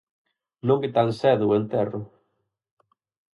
Non é tan cedo o enterro.